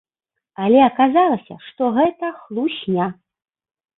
Але аказалася, што гэта хлусня.